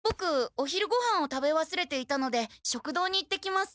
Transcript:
お昼ごはんを食べわすれていたので食堂に行ってきます。